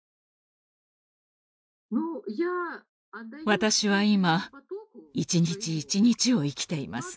私は今一日一日を生きています。